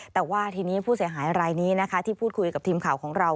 แต่ว่าทีนี้ผู้เสียหายรายนี้นะคะที่พูดคุยกับทีมข่าวของเรา